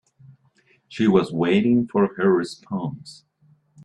She was waiting for her response.